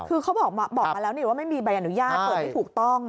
คือเขาบอกมาแล้วนี่ว่าไม่มีใบอนุญาตเปิดไม่ถูกต้อง